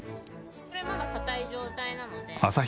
これまだ硬い状態なので。